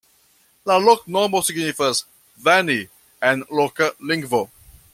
La loknomo signifas "veni" en loka lingvo.